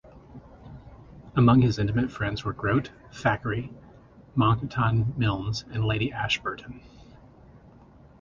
Among his intimate friends were Grote, Thackeray, Monckton Milnes and Lady Ashburton.